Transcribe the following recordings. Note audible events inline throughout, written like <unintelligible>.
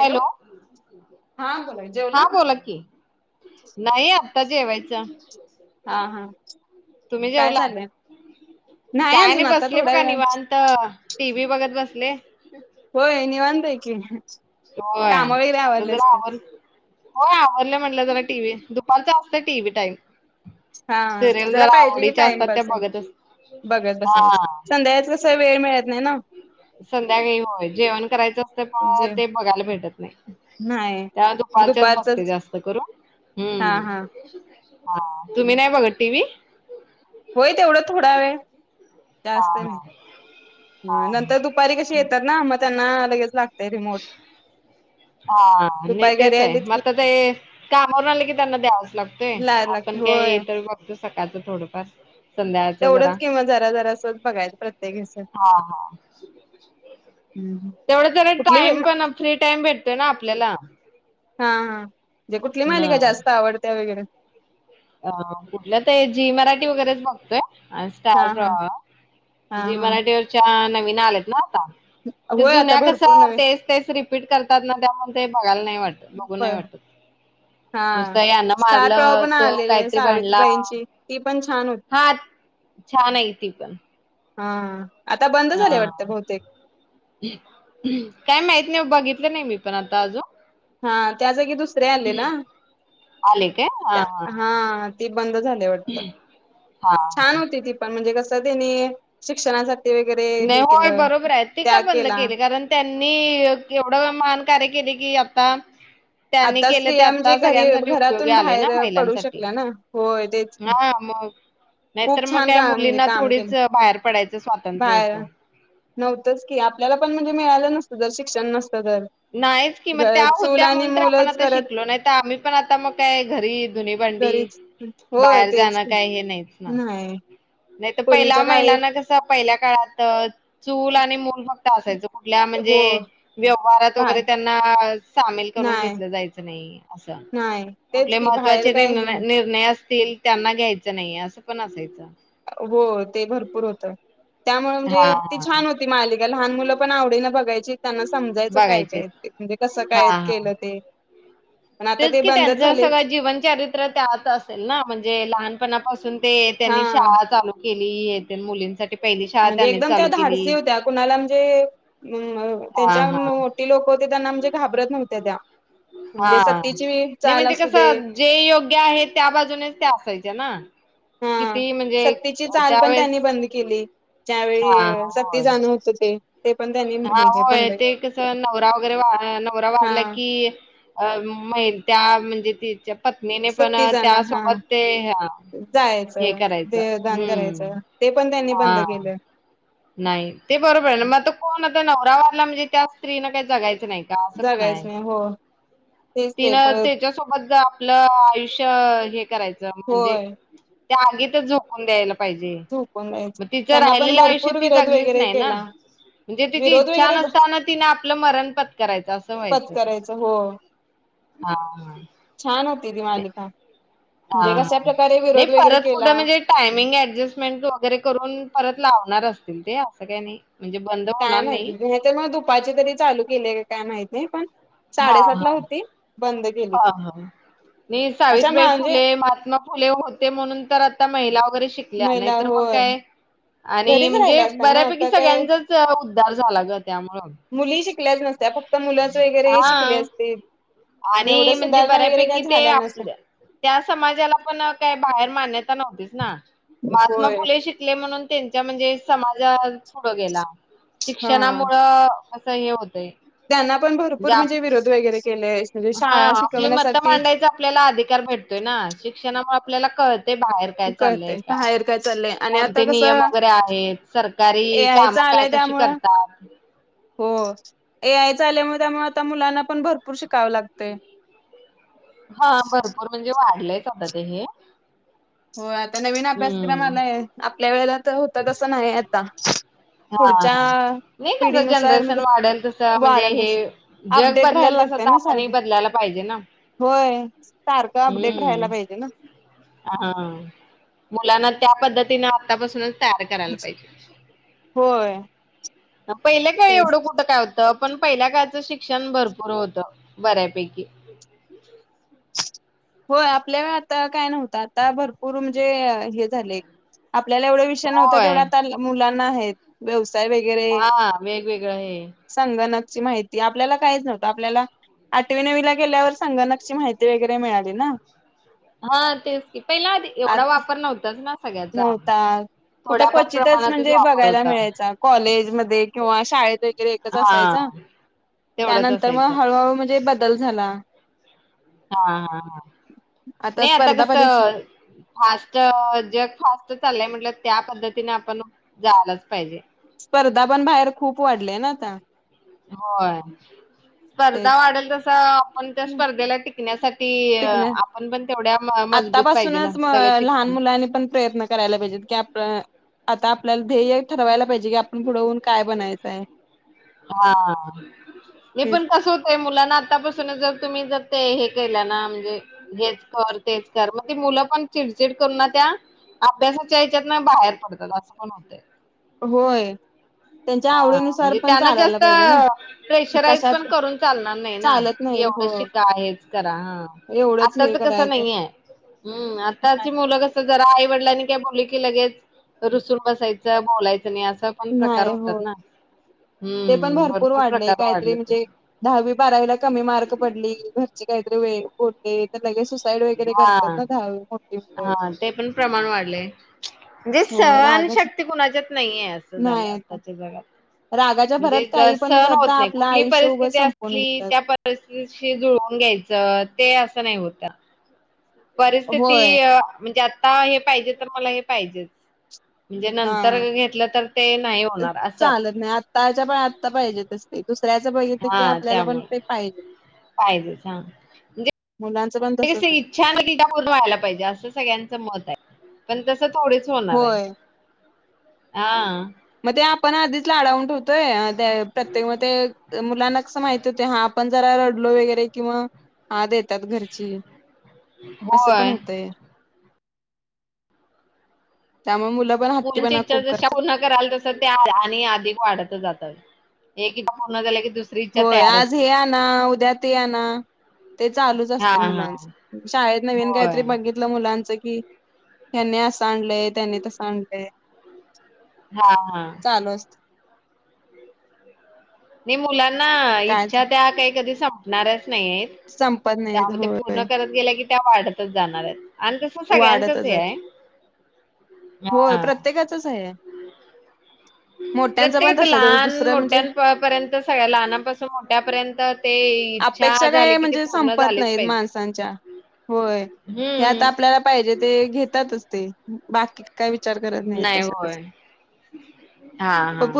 Hello! हा बोला जेवला हा बोला की. नाही आता जेवायचं. हा हा, तुम्ही काय जेवला? चाललंय काय नाही अजून आता बसले थोड्या बघा वेळा निवां त, टी. व्ही बघत बसले. व्हय निवांत आहे की. होय, काम वगैरे आता आवरले जरा असते आवर होय आवरलं म्हटलं जरा टी. व्ही दुपारच आसतंय टी. V time. हा सिरियल जरा पाहिजे की आवडीच्या आसत्यात त्या टाइमपास आहे बघत अस बघत बसायच, हा संध्याकाळचं कसं वेळ मिळत नाही ना संध्याकाळी होय जेवण करायचं असतंय म जे ते बघायला भेटत नाही, नाही त्या एक दुपारच्याच बघते दुपारचंच जास्त करून हा हम्म. हा हा तुम्ही नाही बघत टी. व्ही? होय तेवढं थोडा वेळ जास्त नाही हा नंतर दुपारी कशी येतात ना म त्यांना लगेच लागतंय रिमोट. हा नाही दुपारी घरी तेच आहे आलीत म की आता ते कामावरून आलं की त्यांना द्यावाच लागतंय, लाय लागते आपण काय होय इतर बघतो सकाळचं थोडंफार, संध्याकाळचं तेवढंच जरा किंवा जरा जरासच बघायचं प्रत्येक ह्याच हा हा, तेवढंच जरा टाइम कुठली पण फ्री टाइम भेटतोय ना आपल्याला. हा हा, म्हणजे कुठली मालिका ह जास्त आवडते वगैरे? अ कुठल्या ते जी मराठी वगैरेच बघतोय. आणि हा स्टार हा प्रवाह हा जी हा मराठीवरच्या नवीन आलेत ना आता? ते होय आता जुन्या भरपूर कसं नवे तेच तेच रिपीट करतात ना त्यामुळं ते बघायला नाही वाट बघू नाही बर वाटत, हा नुसत यांन स्टार प्रवाह मारलं पण तो आलेले कायतरी भांडला, सावित्रीबाईंची ती पण छान होती हा छान आहे ती पण. हा. आता बंद हा झाले वाटतं बहुतेक काय माहित नाही ओ बघितलं नाही मी पण आता आजून. हा त्या जागी दुसरे आले ना? आले काय? त्या हां, हां, हां. हा ती बंद झाली वाटत, हां, छान हां. होती ती पण म्हणजे कसं तेंनी शिक्षणासा नाही होय बरोबर आहे ती का बंद केला केली कारण त्यांनी केवढ माहान कार्य केलय की आता त्यांनी आता केल ते स्त्रिया म्हणजे आता घरी सगळ्यांसाठी उपयोगी घरातून आलय ना बाहेर पडू महिलांसाठी शकल्या ना होय तेच की हा. मग नाहीतर खूप मग छान का काम म्हणजे मुलींना काम थोडीच केलं बाहेर पडायचं स्वातंत्र्य हो बाहेर नव्हतंच की, आपल्याला पण म्हणजे मिळालं नसतं जर शिक्षण नसतं तर. नाहीच कि म घ त्या चूल होत्या आणि म्हणून तर आपण मुलंच आता करत शिकलो नाही त आम्ही पण आता मग काय घरी धुनी भांडी घरीच होय बाहेर तेच जाणं की काय हे नाहीचं नाही नाही त पहिल्या पूर्वीच्या महिलांना काळीत कस पहिल्या काळात चूल आणि मूल फक्त असायचं. कूठल्या म्हणजे हो व्यवहारात बाय वगैरे त्यांना सामील करून नाही घेतल जायच नाही अस नाही तेच कुठले की बाहेर महत्वाचे नि काय हे नाही निर्णय असतील त्यांना घ्यायचा नाही असं पण असायचं. हो ते भरपूर होत त्यामुळे हा म्हणजे ती हा छान होती मालिक लहान मुलं पण आवडीनं बघायची त्यांना समजायचं काय बघायचे काय म्हणजे कसं हा काय हा केलं. तेे तेच की त्यांच सगळं जीवनचरित. त्यात असेल ना म्हणजे लहानपणापासून ते त्यांनी हा. शाळा चालू केली येथ मुलींसाठी पहिली शाळा म्हणजे त्यांनीच एकदम त्या चालू केली. धाडसी होत्या कुणाला म्हणजे अ हा त्याच्या हा मोठी लोक होते त्यांना म्हणजे घाबरत नव्हत्या त्या म्हणजे हा सतीची नाही चाल म्हणजे असू दे. कसं जे योग्य आहेत त्या बाजूनेच ते असायचे ना. हा किती म्हणजे सत्तेची चाल पण त्यावेेळेस त्यांनी बंद केली हा ज्यावेळी सत्ती होय. जाणं होतं ते ते पण त्यांनी हा हे होय बंद ते कस केलं नवरा वगैरे नवरा हा वारला की. अ म्हणत्या म्हणजे तिच्या <inaudible> पत्नीने पण सत्ती जाणं हा त्यासोबत ते हे जायचं करायचं देहदान हम्म. करायचं ते पण त्यांनी बंद हा केल. नाही ते बरोबर आहे मग त कोण आता नवरा वारला म्हणजे त्या स्त्री न काही जगायचं नाही. का असं पण आहे जगायचं नाही हो. तेच ते तिनं परत त्याच्यासोबत आपलं आयुष्य हे करायचं, म्हणजे होय. त्या आगीतच झोकुन द्यायला पाहिजे झोपून जायचं मग तिचं त्यांना पण राहिलेल्या आयुष्यात भरपूर विरोध वगैरे केला. म्हणजे तिची विरोध इच्छा वगैरे नसताना तिने आपलं मरण पत्करायच असं व्हायचं. पत्करायचं हो हा हा. छान होती ती ते मालिका हा म्हणजे हा. कशाप्रकारे नाही विरोध वगैरे परत केला कुठं म्हणजे टायमिंग ऍडजस्टमेंट वगैरे करून परत लावणार असतील ते असं काही नाही म्हणजे बंद काय होणार माहिती नाही. तर मग दुपाची तरी चालू केले का काय माहित नाही पण हा साडेसातला हा होती बंद केली त ये सावित्रीबाई फुले महात्मा फुले होते म्हणून तर आता महिला वगैरे शिक ल्या महिला नाहीतर मग होय काय आणि घरीच म्हणजे राहिल्या असता ना बऱ्यापैकी आता काय सगळ्यांच च उद्धार झाला ग त्यामुळ. मुली शिकल्याच नसत्या फक्त मुलच वगैरे हा शिकले असते. आणि म्हणजे बऱ्यापैकी ते नसत्या आपल्या, त्या समाजाला पण काही बाहेर मान्यता नव्हतीच ना महात्मा होय फुलेशी शिकले म्हणून त्यांच्या म्हणजे समाज पुढं गेला हा शिक्षणामुळ. असं हे होतंय. त्यांना पण भरपूर म्हणजे विरोध वगैरे केले. म्हणजे हा शाळा आपली मतं शिकवण्यासाठीच मांडायचा आपल्याला अधिकार भेटतोय ना शिक्षणामुळे आपल्याला कळतय बाहेर काय चाललंय कळतय काय बाहेर चाललंय आणि आता कोणते नियम कसं वगैरे आहेत ए सरकारी आय काम च काय आलंय कशी कर <inaudible> हो ए आय आल्यामुळ त्यामुळ आता मुलांना पण भरपूर शिकावं लागतय. हा भरपूर म्हणजे वाढलंयच आता ते हे हो आता नवीन अभ्यासक्रम हम्म. आलाय आपल्या वेळेला तर होत तसं नाही आता. हा हा, पुढच्या नाही कसं पिढीनुसार जनरेशन म्हणजे वाढेल, तसं म्हणजे वाढल हे तस जग अपडेट राहायला बदलेल तस लागतय त ना आपणही सारखं बदलायला पाहिजे ना, होय. सारखं अपडेट राहायला पाहिजे ना, हा हा हा, मुलांना त्या पद्धतीने आतापासूनच तयार करायला पाहिजे. होय. पहिल्या काळी तेच एवढं कुठं काय होतं? पण पहिल्या काळचं शिक्षण भरपूर होतं बऱ्यापैकी. हो आपल्या वेळ आता काय नव्हतं. आता भरपूर म्हणजे हे झाले. आपल्याला एवढा विषय नव्हता, होय. तेवढ्या आता मुलांना आहेत. व्यवसाय वगैरे हा वेगवेगळं हे. संगणकची माहिती आपल्याला काहीच नव्हतं. आपल्याला आठवी नवीला गेल्यावर संगणकची माहिती वगैरे मिळाली ना, हा तेच की, पहिला आधी आत एवढा वापर नव्हताच ना, सगळ्याचा नव्हता कुठं थोड्याफार क्वचितच प्रमाणातच म्हणजे वापर बघायला होता. मिळायचा. कॉलेजमध्ये किंवा शाळेत रे एकच हा असायचा. तेवढंच त्यानंतर मग असायचं. हळूहळू म्हणजे बदल झाला. हा हा हा, नाही आता स्पर्धा परीक्षा कसं? फास्ट जग फास्ट चाललंय, म्हटलं त्या पद्धतीने आपण जालाच पाहिजे. स्पर्धा पण बाहेर खूप वाढल्या ना, आता. होय. ते स्पर्धा वाढेल तसं पण त्या स्पर्धेला टिकण्यासाठी टिकण्या आपण पण तेवढ्या मजबूत पाहिजे ना, आतापासूनच म सगळं लहान मुलानी पण प्रयत्न करायला पाहिजे. काप्रं आता आपल्याला ध्येय ठरवायला पाहिजे. की आपण पुुढवून काय बनायचंय‌. हा, हे पण कसत होय. मुलांना आतापासून जर तुम्ही जर ते हे केलं ना, म्हणजे हेच कर, तेच कर, मग ती मुलं पण चिडचिड कर ना त्या अभ्यासाच्या याच्यातन बाहेर पडतात असं पण होतं. होय. त्यांच्या हा आवडीनुसार म्हणजे पण त्याला चालायला जास्त पाहिजे ना प्रेशराईज पण कशात करून चालणार नाही ना, चालत की नाही एवढं हो शिका हेच करा. हा, एवढंच हे आत्ताच कसं करायचं नाहीये. हम्, आत्ताची मुलं क जरा आई वडिलांनी काय बोललं की, लगेच रुसूून बसायचं. बोलायचं नाही, असा पण प्रकार हो तात ना, ते पण हम्म, भरपूर वाढलेय प्रकार काहीतरी वाढलेत म्हणजे तसे दहावी बारावीला कमी मार्क पडली. घरची काहीतरी वेळ ते त लगे सुसाईड वगैरे करतात हा. ना, दहावी मोठी मुलं हा ते पण प्रमाण वाढलंय. म्हणजे हो सहन रागच शक्ती कुणाच्यात नाहीये. असं झालं नाही आता आत्ताच्या जगात. रागाच्या भरात म्हणजे ज काही पण सहन करता होत नाही. आपलं कुठली आयुष्य उगच परिस्थिती संपवून असली घेतात त्या परिस्थितीशी जुळवून घ्यायचं. ते असं नाही होत. परिस्थिती होय म्हणजे आता हे पाहिजे तर मला हे पाहिजेच. म्हणजे नंतर हा घेतलं तर ते नाही होणार असं. ताज्या पण आत्ता पाहिजेत तशी दुसऱ्याचं बघितलं की, हा आपल्याला पण त्यामुळे ते पाहिजे. पाहिजेच हा मुलाचं पण तसंच आहे. छान <unintelligible> व्हायला पाहिजे. असं सगळ्यांच मत आहे. पण तसं थोडेच होणार आहे. होय हा, मग ते आपण आधीच लाडावून ठेवतोय. ते प्रत्येक म ते मुलांना कसं माहिती होते. हा, आपण जरा रडलो वगैरे कि, मग आ देतात घरची. असं पण होय. होतय. त्यामुळ म मुल मुलींचे विचार कशा <unintelligible> कराला जाशाल आणि अधिक वाढत जात. एक पूर्ण झालं की दुस होय, आज हे आणा, उद्या ते आणा. ते चालूच हा असतय हा मुलांच. शाळेत नवीन होय. काहीतरी बघित ल मुलांच की, ह्यानी असं आणलंय त्यानी तसं आणलंय. हाअं. चालू असत नाही मुलांना काय इच्छा त्या काही कधी संपणारच नाहीयेत. संपत नाही त्यामूळ ते पूर्ण होय करत गेल्या की त्या वाढतच जाणार आहेत. आण तस सगळ्यांचच वाढतच हे आहे. जात हा. च आहे. मोठ्यांचं पण प्रत्येक तसं दुसरं म्हणजे लहान-मोठ्यां प पर्यंत त सगळ्या लहनांपासून मोठ्या पर्यंत ते इच्छा अपेक्षा झाली काय की ती म्हणजे पूर्ण संपत झालीच नाही पाहिजे. माणसांच्या. होय, हे आता हम्म. आपल्याला पाहिजे ते घेतातच ते. बाकी काय विचार करत नाही कशाचाच. <inaudible> हा हं.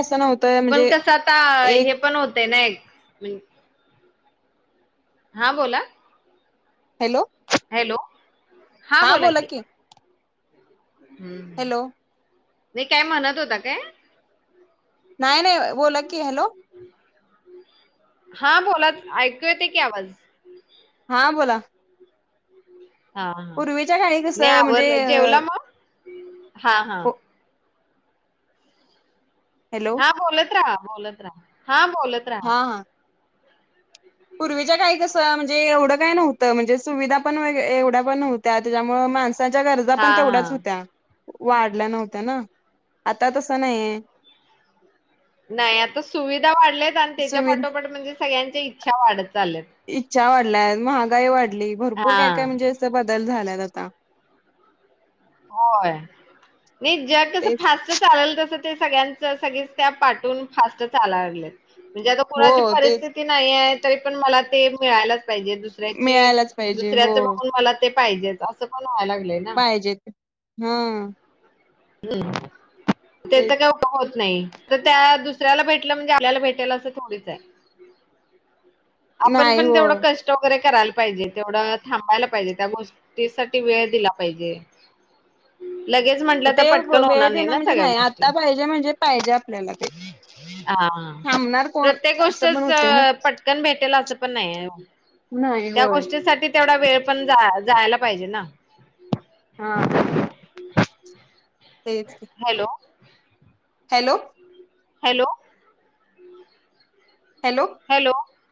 असं नव्हतं पण म्हणजे कस आता हे एक पण होतय ना एक. म्हणजे हा बोला. हॅलो, हॅलो, हा बोला की. हं. हॅलो, नही काय म्हणत होता काय? नाही नाही. बोला की, हॅलो. हा बोलात, ऐकू येतकी आवाज. हा बोला. हा हा. पूर्वीच्या काळी नाही कसं म्हणजे आवर, जेवला मग? हा हा. हॅलो हा बोलत राहा बोलत राहा. हा बोलत राहा हां. पूर्वीच्या काळी कसं म्हणजे एवढं काय नव्हतं. म्हणजे सुविधा पण वई एवढ्या पण नव्हत्या त्याच्यामुळे माणस त्यांच्या गरजा पण हा तेवढ्याच हा होत्या, वाढल्या नव्हत्या ना. आता तसं नाहीेये. नाही आता सुविधा वाढल्यात आणि त्याच्या सुविधा पाठोपाठ म्हणजे सगळ्यांच्या इच्छा वाढत चाल्यात. इच्छा वाढल्याय, महागाई वाढली. भरपूर हा काय काय म्हणजे अस बदल झालात आता. होय. नाही जग कस तेच फास्ट चालेल तस ते सगळ्यांच सगळेच त्या पाठून फास्ट चाला लागलेत. म्हणजे आता हो कोणाची तेच परिस्थिती नाहीये, तरी पण मला ते मिळायलाच पाहिजे. दुसऱ्याची मिळायलाच पाहिजे हो दुसऱ्याच बघून मला ते पाहिजेच. असं पण व्हायला लागले. पाहिजेते. हं. <inaudible> त्याच ते काही <inaudible> होत नाही. तर त्या दुसऱ्याला भेटलं म्हणजे आल्याला भेटेल असं थोडीच आहे? आपण नाही पण हो तेवढं कष्ट ट वगैरे करायला पाहिजे. तेवढं थांबायला पाहिजे. त्या गोष्टीसाठी वेळ दिला पाहिजे. लगेच म्हंटलं ते तर पट्कन वेळ होणार नाही देणं ना म्हणजे सगळ्या गोष्टी, आता पाहिजे म्हणजे पाहिजे आपल्याला ते हा थांबणार कोण प्रत्येक असं गोष्टच पण होतय ना पटकन भेटेल असं पण नाही. नाही होय साठी तेवढा वेळ पण जाय - जायला पाहिजे ना. हा. तेच. Hello. Hello, hello hello, hello.